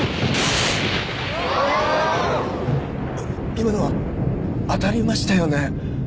今の当たりましたよね？